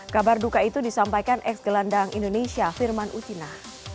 kabar duka itu disampaikan ex gelandang indonesia firman utina